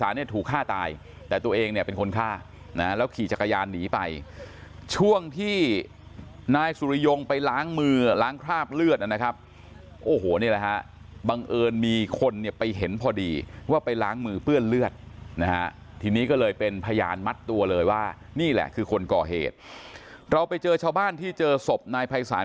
เราไปเจอชาวบ้านที่เจอศพนายภัยศาสตร์คงไม่อยู่